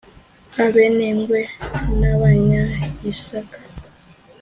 abenengwe n'abanyagisaka.